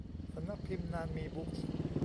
สำนักพิมพ์นานมีบุ๊คส์